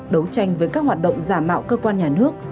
đấu tranh với các hoạt động giả mạo cơ quan nhà nước